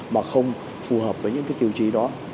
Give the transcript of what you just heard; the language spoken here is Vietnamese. mà không phù hợp với những tiêu chí đó